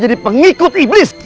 jadi pengikut iblis